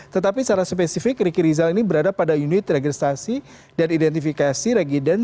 tetapi secara spesifik riki rizal ini berada pada unit registrasi dan identifikasi regiden